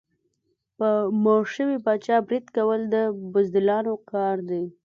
په مړ شوي پاچا برید کول د بزدلانو کار دی.